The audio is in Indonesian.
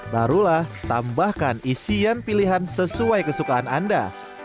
barulah tambahkan isian pilihan sesuai kesukaan anda